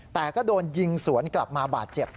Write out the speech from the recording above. แต่ก็โดนยิงสวนกลับมาบาดเจ็บ